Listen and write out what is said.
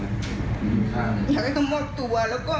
อยากให้เขามอบตัวแล้วก็